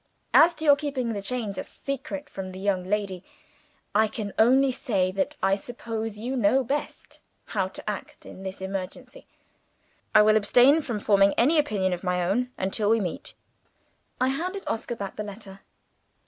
As to your keeping the change a secret from the young lady, I can only say that I suppose you know best how to act in this emergency. I will abstain from forming any opinion of my own until we meet." I handed Oscar back the letter.